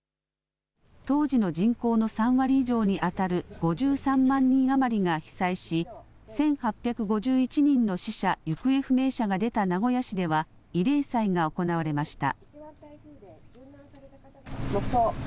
当時の人口の３割以上にあたる５３万人余りが被災し１８５１人の死者・行方不明者が出た名古屋市では慰霊祭が行われました。